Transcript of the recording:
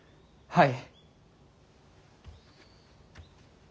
はい！